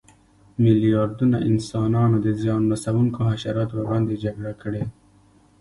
میلیاردونه انسانانو د زیان رسونکو حشراتو پر وړاندې جګړه کړې.